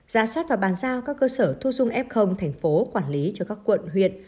giá soát và bàn giao các cơ sở thu dung f tp quản lý cho các quận huyện